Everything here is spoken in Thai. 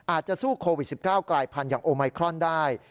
อาจจะสู้โควิด๑๙กลายพันธุ์อย่างโอไมครอนได้